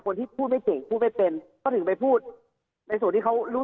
คนที่พูดไม่เก่งพูดไม่เป็นเขาถึงไปพูดในส่วนที่เขารู้